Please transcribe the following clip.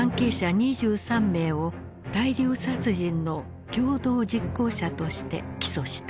２３名を「大量殺人の共同実行者」として起訴した。